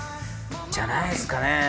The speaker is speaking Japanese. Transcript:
じゃないんですかね。